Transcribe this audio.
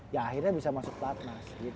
ya akhirnya bisa masuk ke platmas gitu